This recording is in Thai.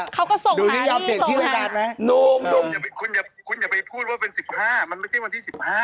คุณอย่าไปพูดว่าเป็นสิบห้ามันไม่ใช่วันที่สิบห้า